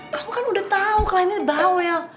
kamu kan udah tau kliennya bawel